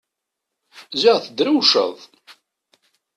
Ziɣ tedrewceḍ!